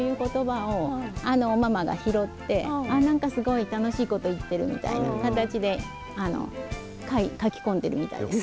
何かすごい楽しいこと言ってるみたいな形で書き込んでるみたいです。